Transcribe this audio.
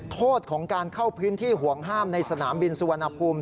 โทษของการเข้าพื้นที่ห่วงห้ามในสนามบินสุวรรณภูมิ